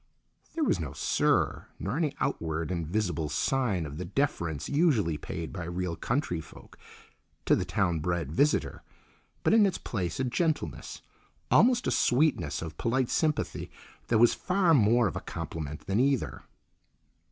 There was no "sir," nor any outward and visible sign of the deference usually paid by real country folk to the town bred visitor, but in its place a gentleness, almost a sweetness, of polite sympathy that was far more of a compliment than either.